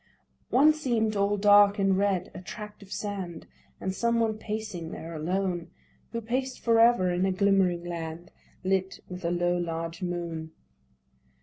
One seem'd all dark and red â a tract of sand, And some one pacing there alone, Who paced for ever in a glimmering land, Lit with a low large moon.